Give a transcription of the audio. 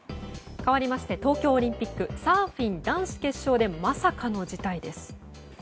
かわりまして東京オリンピックサーフィン男子決勝でまさかの事態です。